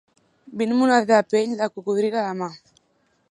Vint moneder de pell de cocodril a la mà.